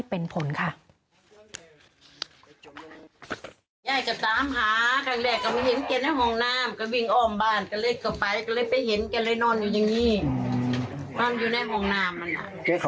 เพราะไหนให้ต้มก็เดือดน่ะ